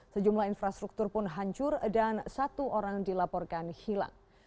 sejumlah infrastruktur pun hancur dan satu orang dilaporkan hilang